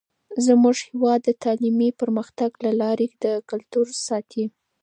زموږ هیواد د تعلیمي پرمختګ له لارې د کلتور ساتئ.